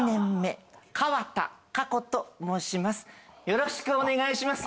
よろしくお願いします。